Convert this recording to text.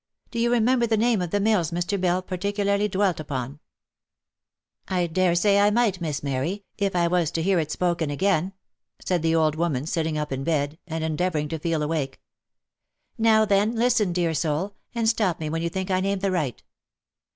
Do you remember the name of the mills Mr. Bell par ticularly dwelt upon V " I dare say I might, Miss Mary, if I was to hear it spoken again," said the old woman, sitting up in bed, and endeavouring to feel awake. " Now then listen, dear soul, and stop me when you think I name the right."